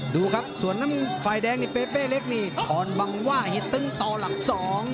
ดูครับส่วนน้ำฝ่ายแดงนี่เปเป้เล็กนี่ถอนบังว่าเห็ดตึงต่อหลักสอง